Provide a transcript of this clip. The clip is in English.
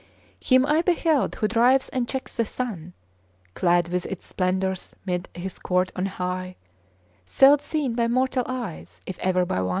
Him I beheld who drives and checks the sun, Clad with its splendour 'mid his court on high, Seld seen by mortal eyes, if e'er by one.